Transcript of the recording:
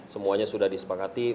semuanya sudah disepakati